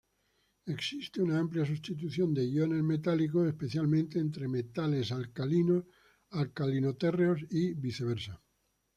Existe una amplia sustitución de iones metálicos, especialmente entre metales alcalinos-alcalinoterreos y viceversa.